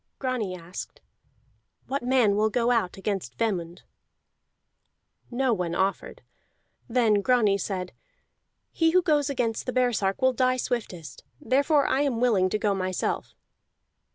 Grani asked: "What man will go out against Vemund?" No one offered. Then Grani said: "He who goes against the baresark will die swiftest, therefore I am willing to go myself."